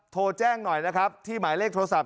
โทรแจ้งหน่อยนะครับที่หมายเลขโทรศัพท์